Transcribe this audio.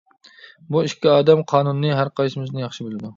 بۇ ئىككى ئادەم قانۇننى ھەر قايسىمىزدىن ياخشى بىلىدۇ.